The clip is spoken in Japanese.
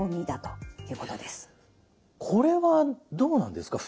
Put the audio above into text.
これはどうなんですか？